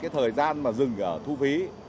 thời gian dừng ở thu phí